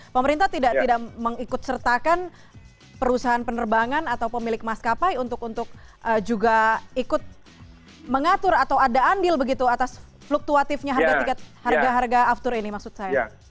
pemerintah tidak mengikut sertakan perusahaan penerbangan atau pemilik maskapai untuk juga ikut mengatur atau ada andil begitu atas fluktuatifnya harga harga aftur ini maksud saya